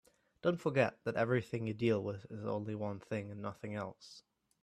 Don't forget that everything you deal with is only one thing and nothing else.